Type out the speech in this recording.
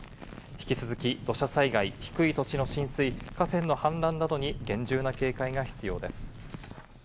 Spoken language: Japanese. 引き続き、土砂災害、低い土地の浸水、河川の氾濫などに厳重な警戒が必要です。